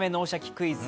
クイズ」